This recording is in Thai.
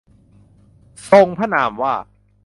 ทรงพระนามว่า